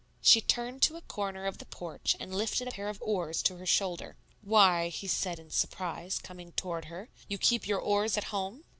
She turned to a corner of the porch and lifted a pair of oars to her shoulder. "Why," he said in surprise, coming toward her, "you keep your oars at home?"